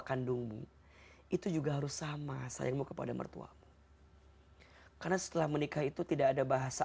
kandungmu itu juga harus sama sayangmu kepada mertuamu karena setelah menikah itu tidak ada bahasa